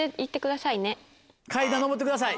「階段上ってください」